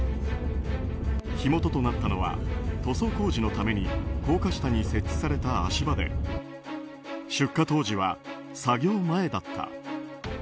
火元となったのは塗装工事のために高架下に設置された足場で出火当時は作業前だった。